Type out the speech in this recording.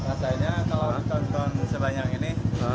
rasanya kalau nonton sebanyak ini